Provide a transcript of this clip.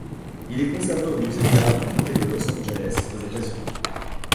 Il est conservé au musée d'art du comté de Los Angeles aux États-Unis.